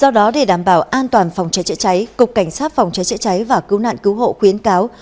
do đó để đảm bảo an toàn phòng cháy chữa cháy cục cảnh sát phòng cháy chữa cháy và cứu nạn cứu hộ khuyến cáo